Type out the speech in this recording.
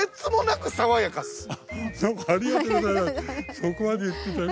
ありがとうございます